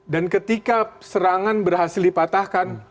dan ketika serangan berhasil dipatahkan